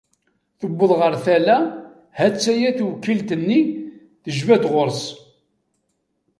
Tuweḍ ɣer tala, ha-tt-aya tewkilt-nni tejba-d ɣur-s